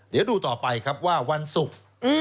เดี๋ยวดูต่อไปครับว่าวันศุกร์